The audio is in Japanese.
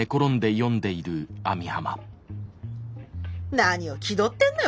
何を気取ってんのよ